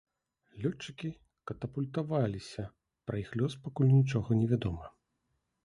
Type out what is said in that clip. Лётчыкі катапультаваліся, пра іх лёс пакуль нічога невядома.